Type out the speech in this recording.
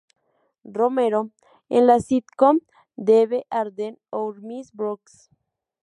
Romero, en la sitcom de Eve Arden "Our Miss Brooks".